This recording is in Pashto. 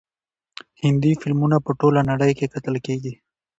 هندي فلمونه په ټوله نړۍ کې کتل کیږي.